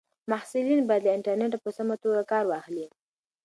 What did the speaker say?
محصلین باید له انټرنیټه په سمه توګه کار واخلي.